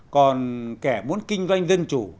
còn kẻ muốn kinh doanh dân chủ